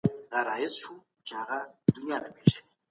افغانستان د ګاونډیو هېوادونو د اقتصادي ودي مخه نه نیسي.